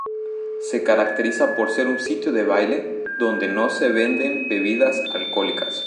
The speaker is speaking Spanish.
Se caracteriza por ser un sitio de baile donde no se venden bebidas alcohólicas.